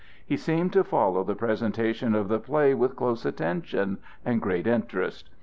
He seemed to follow the presentation of the play with close attention and great interest.